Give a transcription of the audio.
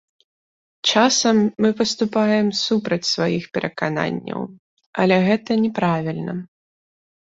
Часам мы паступаем супраць сваіх перакананняў, але гэта не правільна.